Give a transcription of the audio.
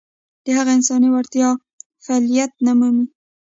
د هغه انساني وړتیاوې فعلیت نه مومي.